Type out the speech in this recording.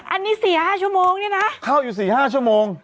อันนี้๔๕ชั่วโมงเนี่ยนะเข้าอยู่๔๕ชั่วโมง